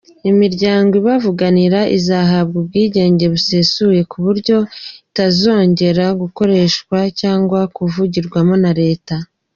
Imiryango ibavuganira izahabwa ubwigenge busesuye kuburyo itazongera gukoreshwa cyangwa kuvugirwamo na leta.